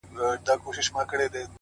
د زړه له درده درته وايمه دا؛